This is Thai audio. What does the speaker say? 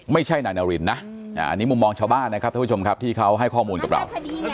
ไม่ใช่นายนารินนะอันนี้มุมมองชาวบ้านนะครับท่านผู้ชมครับที่เขาให้ข้อมูลกับเรา